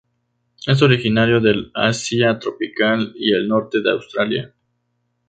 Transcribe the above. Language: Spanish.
Es originario del asia tropical y el norte de Australia.